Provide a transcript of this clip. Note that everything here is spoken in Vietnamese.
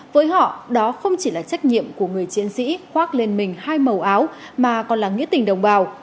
với họ đó không chỉ là trách nhiệm của người chiến sĩ khoác lên mình hai màu áo mà còn là nghĩa tình đồng bào